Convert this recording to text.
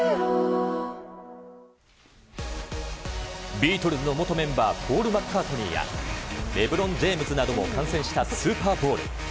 ビートルズの元メンバーポール・マッカートニーやレブロン・ジェームズなども観戦したスーパーボウル。